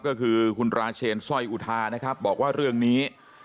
ก็คือคุณราชเชียนซ่อยอู่ทาร์นะครับบอกแบบเรื่องนี้